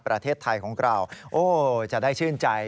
ประเทศไทยของเราโอ้จะได้ชื่นใจ